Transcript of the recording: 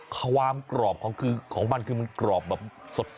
ความกรอบของมันกรอบแบบสด